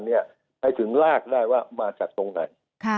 ให้ถึงลากได้ว่ามาจากตรงไหน